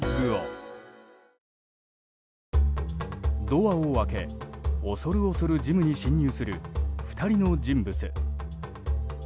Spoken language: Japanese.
ドアを開け、恐る恐るジムに侵入する２人の人物。